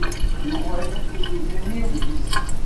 Yuba iwet-it ujenniw-nnes.